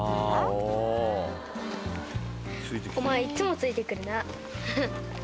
お前いつもついてくるな。